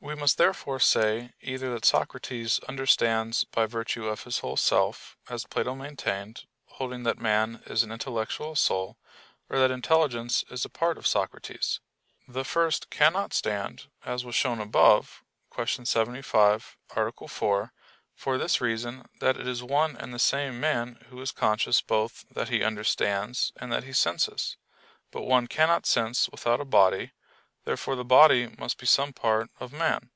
We must therefore say either that Socrates understands by virtue of his whole self, as Plato maintained, holding that man is an intellectual soul; or that intelligence is a part of Socrates. The first cannot stand, as was shown above (Q. 75, A. 4), for this reason, that it is one and the same man who is conscious both that he understands, and that he senses. But one cannot sense without a body: therefore the body must be some part of man.